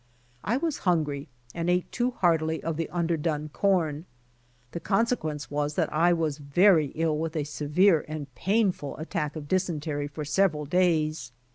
I was hungry and ate too heartily of the under done corn. The consequence was that I was very ill with a severe and painful attack of dysentery for sev eral days.